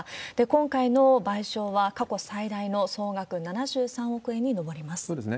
今回の賠償は、過去最大の総額７３億円に上ります。